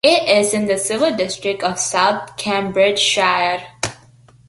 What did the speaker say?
It is in the civil district of South Cambridgeshire.